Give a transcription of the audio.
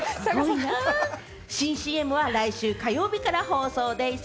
新ＣＭは来週火曜日から放送でぃす。